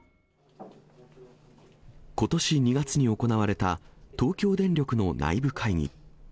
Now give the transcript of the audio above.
ことし２月に行われた東京電力の内部会議。